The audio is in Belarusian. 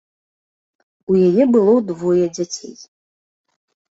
У яе было двое дзяцей.